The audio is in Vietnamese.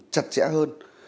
chặt chẽ hơn